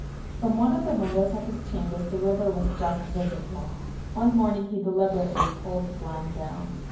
From one of the windows of his chambers the river was just visible. One morning he deliberately pulled the blind down.